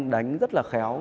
đánh rất là khéo